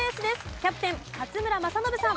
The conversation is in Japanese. キャプテン勝村政信さん。